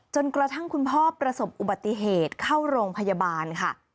จนกระทั่งคุณพ่อประสบอุบัติเหตุเข้าโรงพยาบาลค่ะ